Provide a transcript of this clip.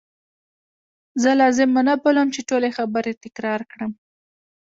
زه لازمه نه بولم چې ټولي خبرې تکرار کړم.